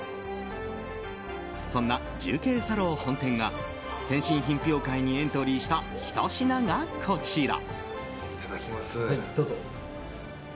そんな重慶茶樓本店が点心品評会にエントリーしたひと品がこちら。